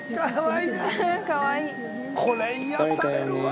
これ癒やされるわ。